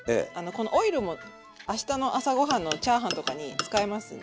このオイルも明日の朝ご飯のチャーハンとかに使えますんで。